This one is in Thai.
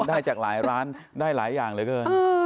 ได้จากหลายร้านได้หลายอย่างเหลือเกิน